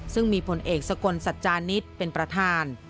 ซึ่งมีผลเอกสกลสัจจานิษฐ์เป็นประธาน